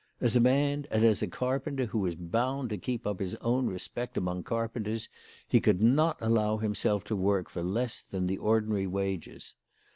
As a man, and as a carpenter who was bound to keep up his own respect among carpenters, he could not allow himself to work for less than the ordinary wages.